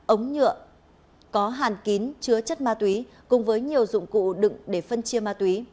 ống nhựa có hàn kín chứa chất ma túy cùng với nhiều dụng cụ đựng để phân chia ma túy